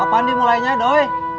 apaan dimulainya doi